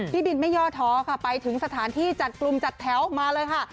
พี่บินไม่ย่อท้อค่ะไปถึงสถานที่จัดกลุ่มจัดแถวออกมาเลยค่ะ